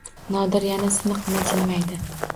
Nodir yana siniqqina jilmaydi.